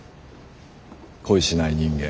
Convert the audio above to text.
恋しない人間。